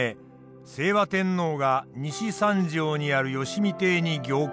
清和天皇が西三条にある良相邸に行幸。